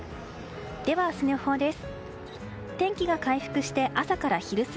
では明日の予報です。